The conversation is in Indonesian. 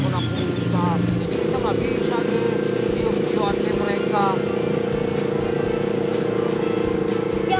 jadi kita gak bisa tuh